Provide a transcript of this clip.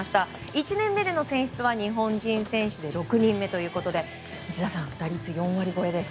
１年目での選出は日本人選手で６人目ということで内田さん、打率４割超えです。